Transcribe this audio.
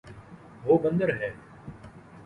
وہ بندر ہے